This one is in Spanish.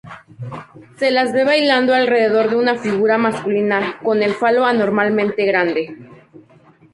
Se las ve bailando alrededor de una figura masculina con el falo anormalmente grande.